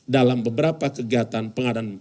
dalam beberapa kegiatan pengadaan